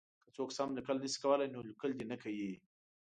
که څوک سم لیکل نه شي کولای نو لیکل دې نه کوي.